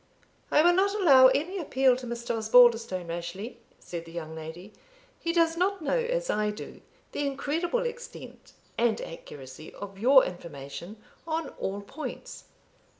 "I will not allow any appeal to Mr. Osbaldistone, Rashleigh," said the young lady; "he does not know, as I do, the incredible extent and accuracy of your information on all points."